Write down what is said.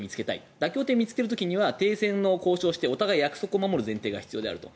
妥協点を見つける時には停戦の交渉をしてお互い約束を守ることが必要であると。